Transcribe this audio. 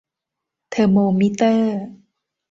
เทอร์โมมิเตอร์